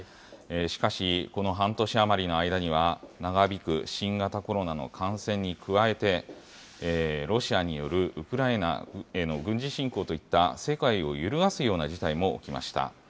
しかし、この半年余りの間には、長引く新型コロナの感染に加えて、ロシアによるウクライナへの軍事侵攻といった、世界を揺るがすような事態も起きました。